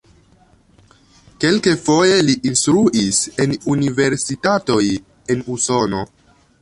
Kelkfoje li instruis en universitatoj en Usono.